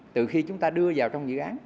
từ khi chúng ta đưa vào trong dự án